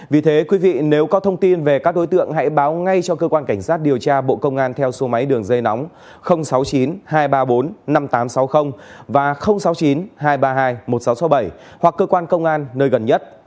vì thế quý vị nếu có thông tin về các đối tượng hãy báo ngay cho cơ quan cảnh sát điều tra bộ công an theo số máy đường dây nóng sáu mươi chín hai trăm ba mươi bốn năm nghìn tám trăm sáu mươi và sáu mươi chín hai trăm ba mươi hai một nghìn sáu trăm sáu mươi bảy hoặc cơ quan công an nơi gần nhất